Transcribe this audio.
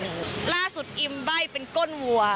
ล่าสุดอิมใบ้เป็นก้นวัว